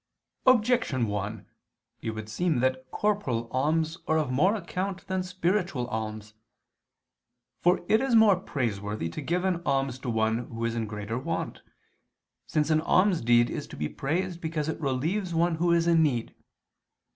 Objection 1: It would seem that corporal alms are of more account than spiritual alms. For it is more praiseworthy to give an alms to one who is in greater want, since an almsdeed is to be praised because it relieves one who is in need.